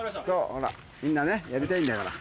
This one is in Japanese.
ほらみんなねやりたいんだから。